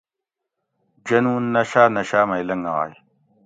جنون نشاۤ نشاۤ مئ لنگائ